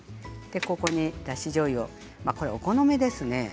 ここに、だしじょうゆをお好みですね。